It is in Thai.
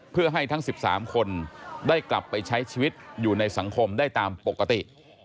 เพื่อให้ทั้ง๑๓คนได้กลับไปใช้ชีวิตอยู่ในสังคมได้ตามปกติ